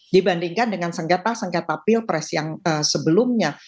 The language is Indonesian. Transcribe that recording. dibandingkan dengan sengketa sengketa pilpres yang sebelumnya